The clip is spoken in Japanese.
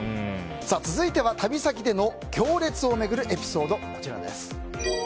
続いては、旅先での行列を巡るエピソードです。